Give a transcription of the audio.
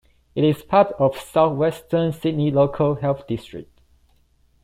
It is part of South Western Sydney Local Health District.